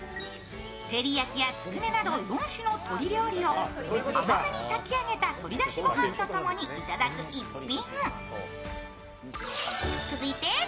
照り焼きやつくねなど４種の鶏料理を甘めに焚き上げた鶏だしごはんとともにいただく逸品。